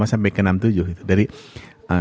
jadi saya melihat bahwa saya ingin menampilkan